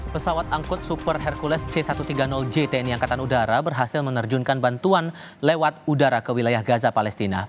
pesawat angkut super hercules c satu ratus tiga puluh j tni angkatan udara berhasil menerjunkan bantuan lewat udara ke wilayah gaza palestina